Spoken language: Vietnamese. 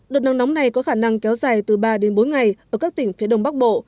đợt nắng nóng này có khả năng kéo dài từ ba đến bốn ngày ở các tỉnh phía đông bắc bộ